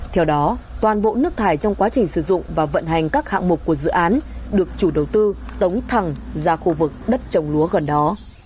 theo đó toàn bộ nước thải trong quá trình sử dụng và vận hành các hạng mục của dự án được chủ đầu tư tống thẳng ra khu vực đất trồng lúa gần đó